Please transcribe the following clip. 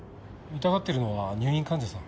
痛がってるのは入院患者さん？